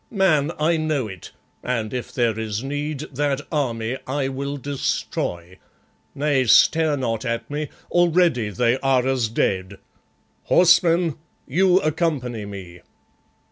Man, I know it, and if there is need, that army I will destroy. Nay, stare not at me. Already they are as dead. Horsemen, you accompany me.